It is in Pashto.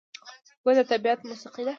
ګل د طبیعت موسیقي ده.